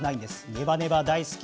ネバネバ大好き